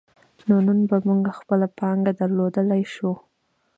نو نن به موږ خپله پانګه درلودلای شو.